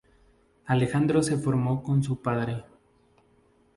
Alejandro se formó con su padre.